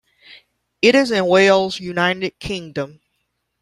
It is in Wales, United Kingdom.